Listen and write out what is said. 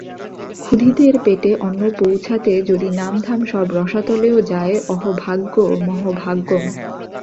ক্ষুধিতের পেটে অন্ন পৌঁছাতে যদি নাম ধাম সব রসাতলেও যায়, অহোভাগ্য-মহোভাগ্যম্।